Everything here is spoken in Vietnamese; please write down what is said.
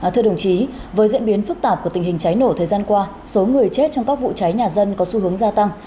thưa đồng chí với diễn biến phức tạp của tình hình cháy nổ thời gian qua số người chết trong các vụ cháy nhà dân có xu hướng gia tăng